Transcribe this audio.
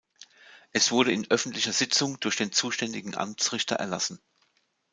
Es wurde in öffentlicher Sitzung durch den zuständigen Amtsrichter erlassen.